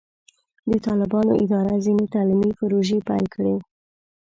د طالبانو اداره ځینې تعلیمي پروژې پیل کړې.